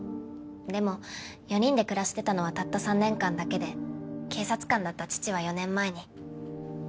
でも４人で暮らしてたのはたった３年間だけで警察官だった義父は４年前に。